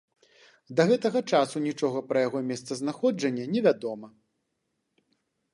Да гэтага часу нічога пра яго месцазнаходжанне не вядома.